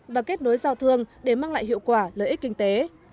và kết nối giao thương để mang lại hiệu quả lợi ích kinh tế